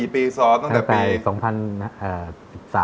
๔ปีซอสตั้งแต่ปี